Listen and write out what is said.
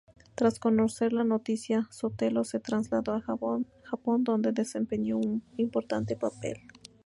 Tras conocer la noticia Sotelo se trasladó a Japón, donde desempeñó un importante papel.